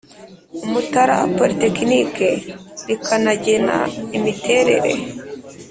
Umutara polytechnic rikanagena imiterere